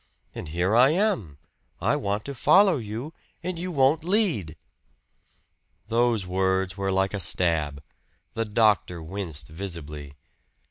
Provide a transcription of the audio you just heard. And here I am I want to follow you, and you won't lead!" Those words were like a stab. The doctor winced visibly.